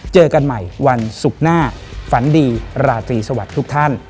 เจอกันใหม่วันศุกร์หน้าฝันดีราตรีสวัสดีทุกท่าน